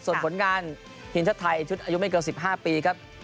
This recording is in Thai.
ส่วนผลการณ์หินทรัฐไทยชุดอายุไม่เกิน๑๕ปีครับ